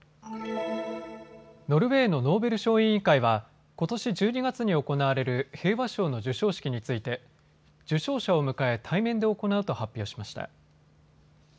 ノルウェーのノーベル賞委員会はことし１２月に行われる平和賞の授賞式について受賞者を迎え対面で行うと発表しました。